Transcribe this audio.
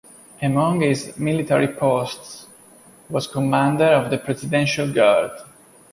Among his military posts was Commander of the Presidential Guard.